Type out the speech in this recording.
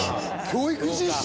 教育実習？